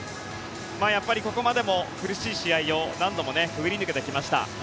やっぱりここまでも苦しい試合を何度もくぐり抜けてきました。